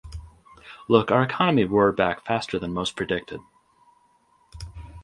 Look, our economy roared back faster than most predicted